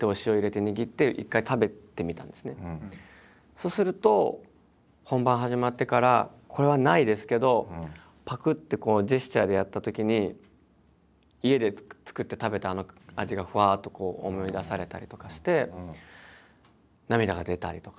そうすると本番始まってからこれはないですけどぱくってこうジェスチャーでやったときに家で作って食べたあの味がふわっとこう思い出されたりとかして涙が出たりとか。